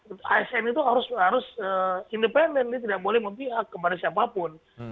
asn itu harus independen tidak boleh mempihak kepada siapapun